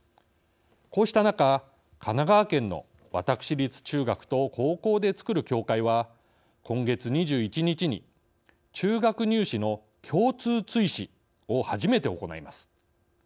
こうした中、神奈川県の私立中学と高校でつくる協会は今月２１日に中学入試の共通追試を初めて行います。